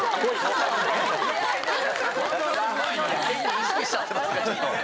意識しちゃってますね。